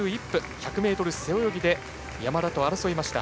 １００ｍ背泳ぎで山田と争いました。